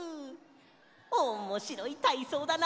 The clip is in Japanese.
おもしろいたいそうだな。